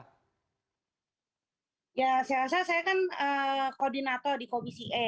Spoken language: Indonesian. ya saya rasa saya kan koordinator di komisi e